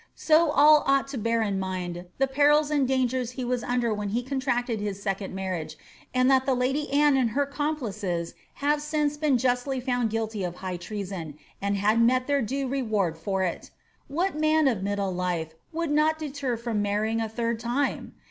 So all ooght to bear in mind the perils and dangers he was under when he contrwted his second marriage, and that the lady Anne and her con> plices have since been justly found guilty of high treason, and had met their doe reward for it. What man of middle Ufe would not this deter from marrying a third time